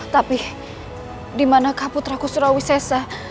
tapi di mana kaput raku surawisesa